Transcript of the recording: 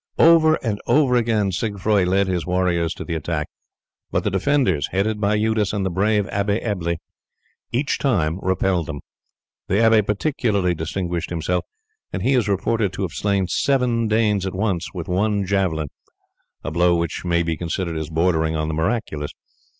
Over and over again Siegfroi led his warriors to the attack, but the defenders, headed by Eudes and the brave Abbe Ebble, each time repelled them. The abbe particularly distinguished himself, and he is reported to have slain seven Danes at once with one javelin, a blow which may be considered as bordering on the miraculous.